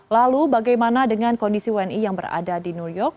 lalu bagaimana dengan kondisi wni yang berada di new york